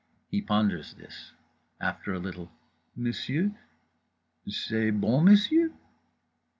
_ He ponders this. After a little "_Monsieur, c'est bon, monsieur?